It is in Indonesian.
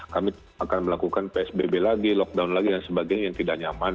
kami akan melakukan psbb lagi lockdown lagi dan sebagainya yang tidak nyaman